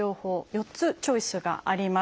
４つチョイスがあります。